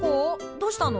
どうしたの？